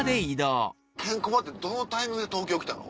ケンコバってどのタイミングで東京来たの？